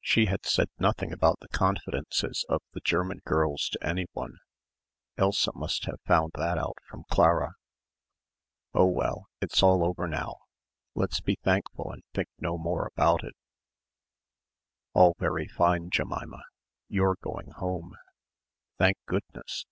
She had said nothing about the confidences of the German girls to anyone. Elsa must have found that out from Clara. "Oh, well it's all over now. Let's be thankful and think no more about it." "All very fine, Jemima. You're going home." "Thank goodness."